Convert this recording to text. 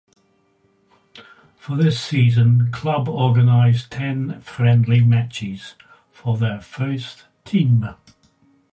For this season club organised ten friendly matches for their first team.